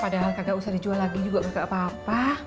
padahal kagak usah dijual lagi juga nggak apa apa